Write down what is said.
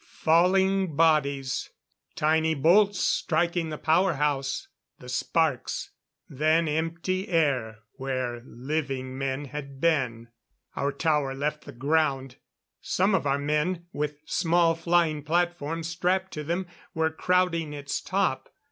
Falling bodies; tiny bolts striking the power house; the sparks then empty air where living men had been. Our tower left the ground. Some of our men, with small flying platforms strapped to them, were crowding its top.